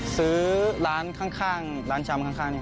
ซื้อร้านค่านร้านช้าปนทัน